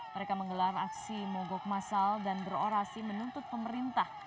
mereka menggelar aksi mogok masal dan berorasi menuntut pemerintah